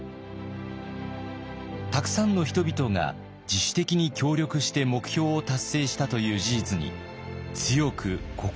たくさんの人々が自主的に協力して目標を達成したという事実に強く心を動かされました。